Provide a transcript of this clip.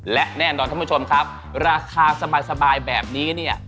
และแน่นอนท่านผู้ชมครับราคาสบายแบบนี้เนี่ย